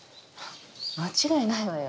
間違いないわよ。